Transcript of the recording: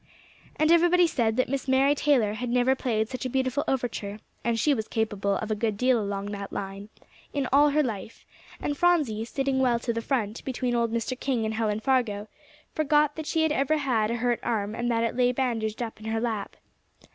And everybody said that Miss Mary Taylor had never played such a beautiful overture and she was capable of a good deal along that line in all her life; and Phronsie, sitting well to the front, between old Mr. King and Helen Fargo, forgot that she ever had a hurt arm, and that it lay bandaged up in her lap.